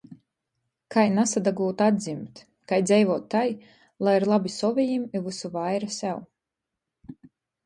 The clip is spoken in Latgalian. Kai nasadagūt atdzimt. Kai dzeivuot tai, lai ir labi sovejim i vysu vaira sev.